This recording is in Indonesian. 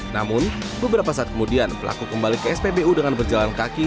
namun beberapa saat kemudian pelaku kembali ke spbu dengan berjalan kaki